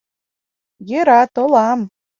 — Йӧра, толам.